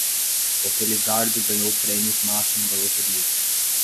O felizardo ganhou o prêmio máximo da loteria